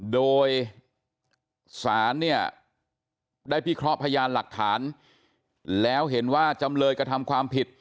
โดยสารเนี่ยได้พิเคราะห์พยานหลักฐานแล้วเห็นว่าจำเลยกระทำความผิด